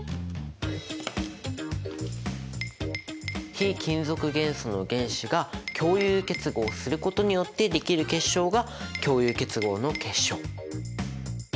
非金属元素の「原子」が「共有結合」することによってできる結晶が「共有結合の結晶」！